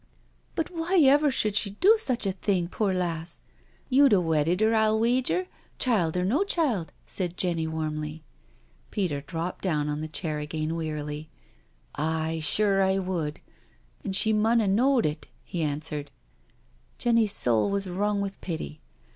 " But why ever should she do such a thing, poor lass? You'd a wedded .her, J'U wager, child or no child," said Jenny warmly. Peter dropped down on the chair again wearily. A CRUSHED BUTTERFLY H7 " Aye, sure I would— an' she mun a knaw*d it/' he answered. Jenny's soul was .wrung with pity.